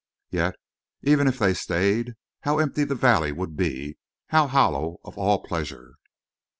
Yet even if they stayed, how empty the valley would be how hollow of all pleasure!